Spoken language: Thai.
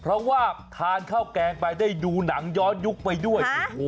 เพราะว่าทานข้าวแกงไปได้ดูหนังย้อนยุคไปด้วย